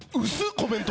コメント。